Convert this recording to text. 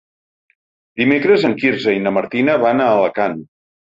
Dimecres en Quirze i na Martina van a Alacant.